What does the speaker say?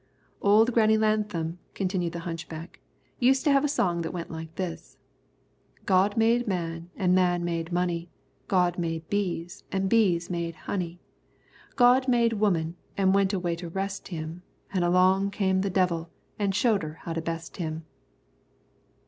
"Old Granny Lanham," continued the hunchback, "used to have a song that went like this: "'God made man, an' man made money; God made bees, an' bees made honey; God made woman, an' went away to rest Him, An' along come the devil, an' showed her how to best Him.'"